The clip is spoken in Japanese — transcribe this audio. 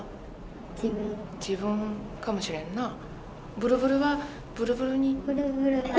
ブルブルがブルブルに。